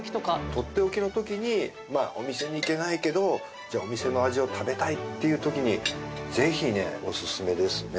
とっておきの時にお店に行けないけどじゃあお店の味を食べたいっていう時にぜひねおすすめですね。